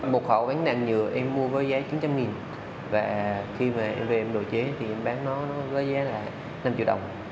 một khẩu bán đạn nhựa em mua với giá chín trăm linh và khi mà em về em đồ chế thì em bán nó với giá là năm triệu đồng